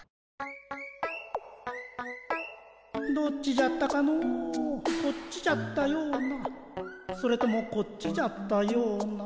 どっちじゃったかのこっちじゃったようなそれともこっちじゃったようなうむ。